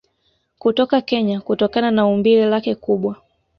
kutoka Kenya kutokana na umbile lake kubwa